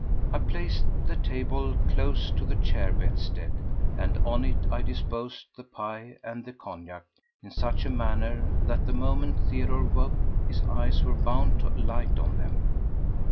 I placed a table close to the chair bedstead and on it I disposed the pie and the cognac in such a manner that the moment Theodore woke his eyes were bound to alight on them.